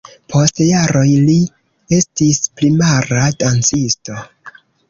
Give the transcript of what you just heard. Post jaroj li estis primara dancisto.